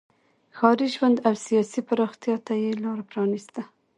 ښاري ژوند او سیاسي پراختیا ته یې لار پرانیسته.